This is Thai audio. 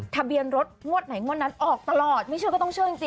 ทะเบียนรถงวดไหนงวดนั้นออกตลอดไม่เชื่อก็ต้องเชื่อจริง